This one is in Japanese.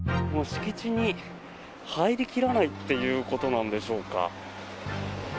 敷地に入り切らないということなんでしょうか。